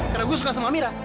karena gue suka sama amirah